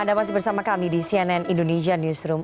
anda masih bersama kami di cnn indonesia newsroom